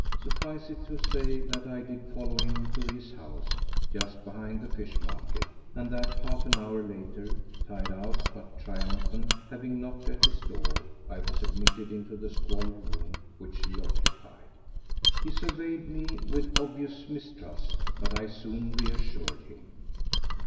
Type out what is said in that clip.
Suffice it to say that I did follow him to his house just behind the fish market, and that half an hour later, tired out but triumphant, having knocked at his door, I was admitted into the squalid room which he occupied. He surveyed me with obvious mistrust, but I soon reassured him.